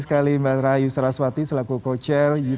jadi itu yang harapan saya kedepannya